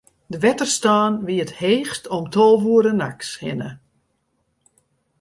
De wetterstân wie it heechst om tolve oere nachts hinne.